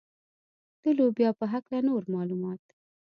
د لوبیا په هکله نور معلومات.